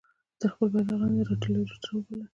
تر خپل بیرغ لاندي را ټولېدلو ته را وبلل.